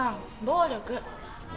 暴力？